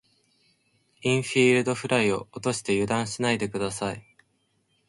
インフィールドフライを落として油断しないで下さい。